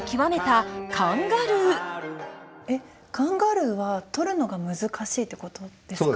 えっカンガルーは撮るのが難しいってことですか？